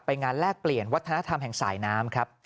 งานแลกเปลี่ยนวัฒนธรรมแห่งสายน้ำครับ